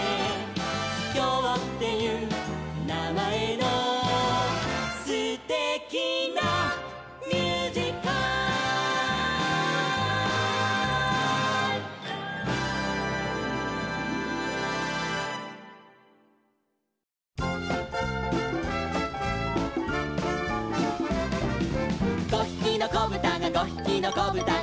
「きょうっていうなまえのすてきなミュージカル」「５ひきのこぶたが５ひきのこぶたが」